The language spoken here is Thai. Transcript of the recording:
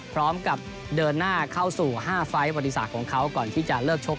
พร้อมกับเดินหน้าเข้าสู่๕ไฟล์ปฏิศาสตร์ของเขาก่อนที่จะเลิกชก